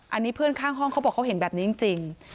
อันนี้เพื่อนข้างห้องเขาบอกเขาเห็นแบบนี้จริง